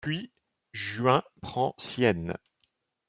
Puis, Juin prend Sienne.